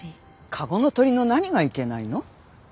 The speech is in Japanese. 籠の鳥の何がいけないの？